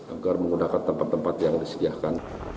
agar menggunakan tempat tempat yang disediakan